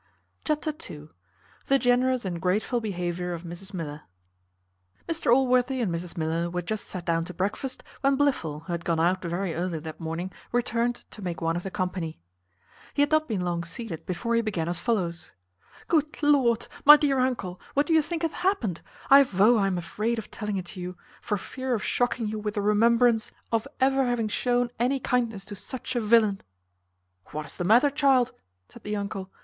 Chapter ii. The generous and grateful behaviour of Mrs Miller. Mr Allworthy and Mrs Miller were just sat down to breakfast, when Blifil, who had gone out very early that morning, returned to make one of the company. He had not been long seated before he began as follows: "Good Lord! my dear uncle, what do you think hath happened? I vow I am afraid of telling it you, for fear of shocking you with the remembrance of ever having shewn any kindness to such a villain." "What is the matter, child?" said the uncle.